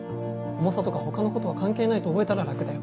重さとか他のことは関係ないと覚えたら楽だよ。